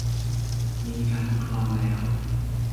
มีการอุทธรณ์แล้ว